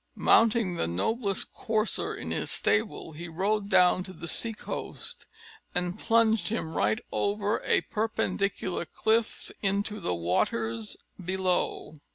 Mounting the noblest courser in his stable, he rode down to the sea coast, and plunged him right over a perpendicular cliff into the waters below.